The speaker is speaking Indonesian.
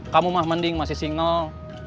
kamu mah mending masih single